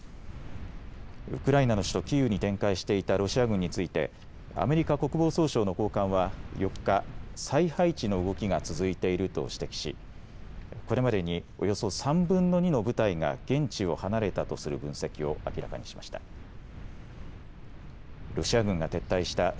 ウクライナの首都キーウに展開していたロシア軍についてアメリカ国防総省の高官は４日、再配置の動きが続いていると指摘しこれまでにおよそ３分の２の部隊が現地を離れたとする分析を明らかにしました。